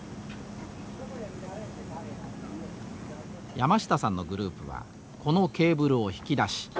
山下さんのグループはこのケーブルを引き出し